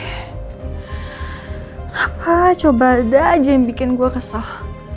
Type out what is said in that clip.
kenapa coba ada aja yang bikin gue kesel